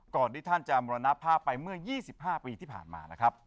ที่ท่านจะมรณภาพไปเมื่อ๒๕ปีที่ผ่านมานะครับ